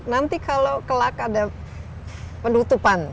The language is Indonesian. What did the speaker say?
nanti kalau kelak ada penutupan